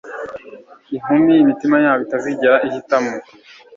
Inkumi imitima yabo itazigera ihitamo